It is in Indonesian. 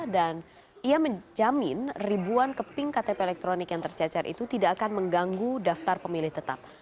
dan ia menjamin ribuan keping ktp elektronik yang tercecar itu tidak akan mengganggu daftar pemilih tetap